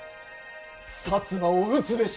摩を討つべし。